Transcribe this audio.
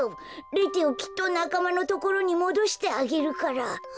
レテをきっとなかまのところにもどしてあげるから。